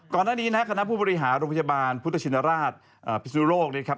ก่อนด้านนี้นะครับคณะผู้บริหารพยาบาลพุทธชินราชพิศุโรคเนี่ยครับ